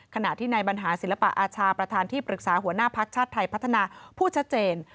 ขณะที่ในบรรหาศิลปะอาชาประธานที่ปรึกษาหัวหน้าภักดิ์ชาติไทยพัฒนาพูดชัดเจน